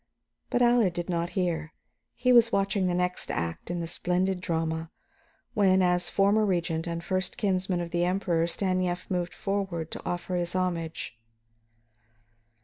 But Allard did not hear, he was watching the next act in the splendid drama, when, as former Regent and first kinsman of the Emperor, Stanief moved forward to offer his homage.